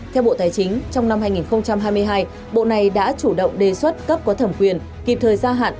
theo bộ tài chính trong năm hai nghìn hai mươi hai bộ này đã chủ động đề xuất cấp có thẩm quyền kịp thời gia hạn